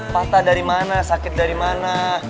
patah dari mana sakit dari mana